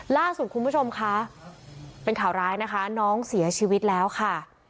ล่าสุดคุณผู้ชมคะเป็นข่าวร้ายนะคะน้องเสียชีวิตแล้วค่ะ